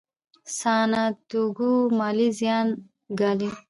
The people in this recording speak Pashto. سانتیاګو مالي زیان ګالي.